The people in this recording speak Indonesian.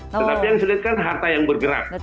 tetapi yang sulit kan harta yang bergerak